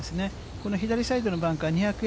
この左サイドのバンカー、２００